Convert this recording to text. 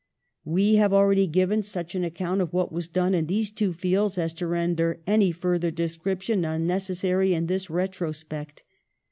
We have already given such account of what was done in these two fields as to render any further description unnecessary in this retrospect.